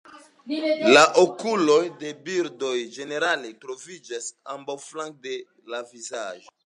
La okuloj de la birdoj ĝenerale troviĝas ambaŭflanke de la vizaĝo.